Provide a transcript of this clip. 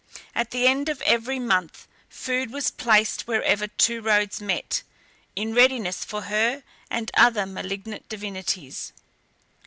At the end of every month food was placed wherever two roads met, in readiness for her and other malignant divinities.